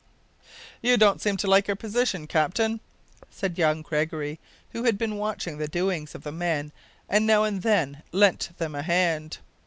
"You don't seem to like our position, captain," said young Gregory, who had been watching the doings of the men and now and then lent them a hand.